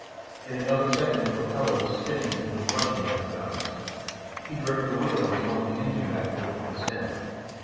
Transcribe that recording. In another second the propeller was spinning and he was rushing down the guides. He gripped the wheel and swung the engine back to lift the stem.